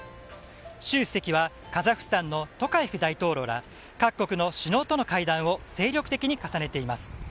習主席はカザフスタンのトカエフ大統領ら各国の首脳との会談を精力的に重ねています。